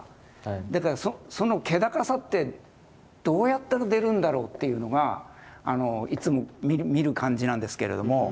だからその気高さってどうやったら出るんだろうっていうのがいつも見る感じなんですけれども。